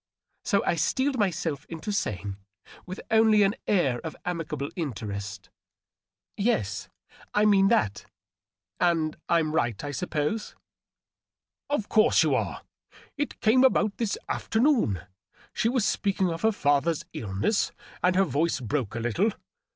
So I steeled myself into saying, with only an air of amicable interest, —" Yes, I mean that. And I'm right, I suppose !"" Of course you are ! It came about this afternoon. She was speaking of her Other's illness, and her voice broke a little.